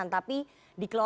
jadi ini yang dipercaya